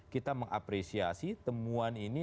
kita mengapresiasi temuan ini